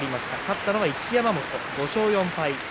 勝ったのは一山本、５勝４敗